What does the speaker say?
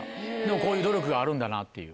こういう努力があるんだなっていう。